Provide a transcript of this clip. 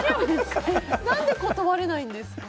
何で断れないんですか？